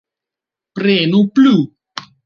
Prenu plu.